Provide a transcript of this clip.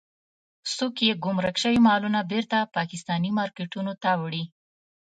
څوک يې ګمرک شوي مالونه بېرته پاکستاني مارکېټونو ته وړي.